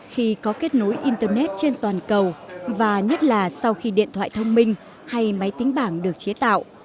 khi có kết nối internet trên toàn cầu và nhất là sau khi điện thoại thông minh hay máy tính bảng được chế tạo